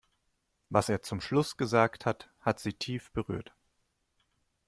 Was er zum Schluss gesagt hat, hat sie tief berührt.